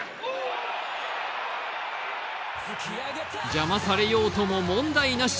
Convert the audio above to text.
邪魔されようとも問題なし。